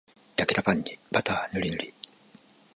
焼けたパンにバターぬりぬり